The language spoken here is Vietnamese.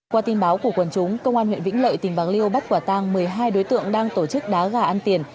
qua tin báo của quần chúng công an huyện vĩnh lợi tỉnh bạc liêu bắt quả tang một mươi hai đối tượng đang tổ chức đá gà ăn tiền